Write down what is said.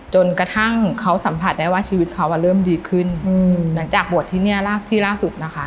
จนกระทั่งเขาสัมผัสได้ว่าชีวิตเขาอ่ะเริ่มดีขึ้นอืมหลังจากบวชที่เนี่ยที่ล่าสุดนะคะ